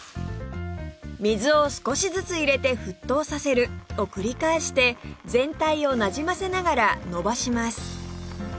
水を少しずつ入れて沸騰させるを繰り返して全体をなじませながらのばします